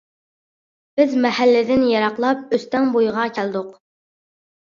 بىز مەھەللىدىن يىراقلاپ، ئۆستەڭ بويىغا كەلدۇق.